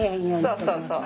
そうそうそう。